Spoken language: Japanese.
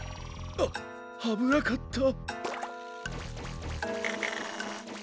ああぶなかった。